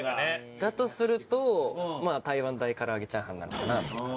だとすると台湾大からあげチャーハンなのかなっていう感じ。